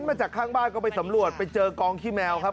มาจากข้างบ้านก็ไปสำรวจไปเจอกองขี้แมวครับ